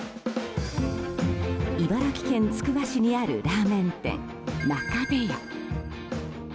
茨城県つくば市にあるラーメン店、真壁屋。